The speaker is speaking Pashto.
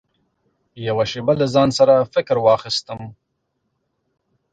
يوه شېبه له ځان سره فکر واخيستم .